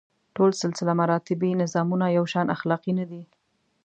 ټول سلسله مراتبي نظامونه یو شان اخلاقي نه دي.